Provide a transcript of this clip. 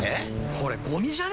これゴミじゃね？